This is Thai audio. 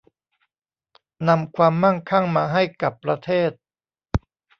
นำความมั่งคั่งมาให้กับประเทศ